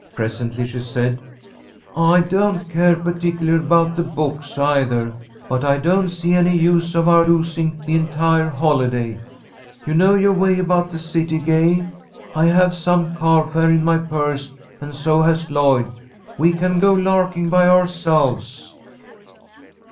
Presently she said: "I don't care particularly about the books, either, but I don't see any use of our losing the entire holiday. You know your way about the city, Gay; I have some car fare in my purse, and so has Lloyd. We can go larking by ourselves."